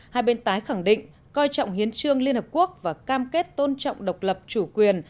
hai bên tái khẳng định coi trọng hiến trương liên hợp quốc và cam kết tôn trọng độc lập chủ quyền